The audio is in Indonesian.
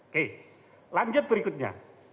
oke lanjut berikutnya